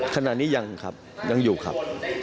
ขณะนี้ยังครับยังอยู่ครับ